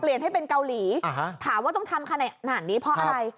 เปลี่ยนให้เป็นเกาหลีอะฮะถามว่าต้องทำขนาดนี้เพราะอะไร